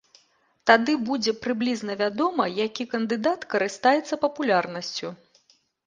Тады будзе прыблізна вядома, які кандыдат карыстаецца папулярнасцю.